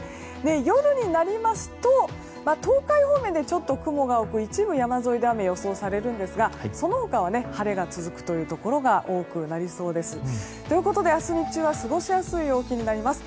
夜になりますと東海方面でちょっと雲が多く、一部山沿いで雨が予想されていますがその他は晴れが続くというところが多くなりそうです。ということで、明日日中は過ごしやすい陽気になります。